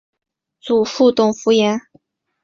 祖父董孚言。